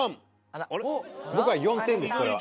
僕は４点ですこれは。